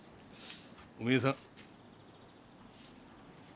お前さん。